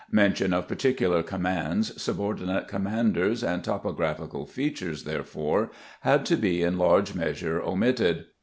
Mention of particular commands, subordinate commanders, and topographical features, therefore, had to be in large measure omitted.